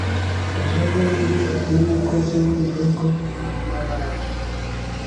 ejobundi n’umukozi wo mu rugo n’abandi